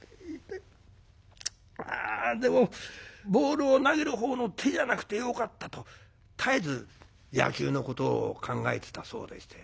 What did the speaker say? でもボールを投げる方の手じゃなくてよかった」と絶えず野球のことを考えてたそうでして